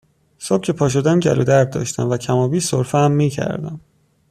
صبح که پاشدم گلو درد داشتم و کمابیش سرفه هم میکردم